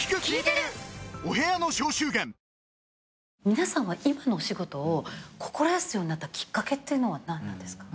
皆さんは今のお仕事を志すようになったきっかけっていうのは何なんですか？